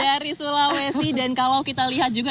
dari sulawesi dan kalau kita lihat juga